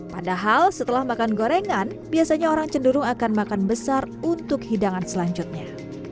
padahal setelah makan gorengan biasanya orang cenderung akan makan besar untuk hidangan selanjutnya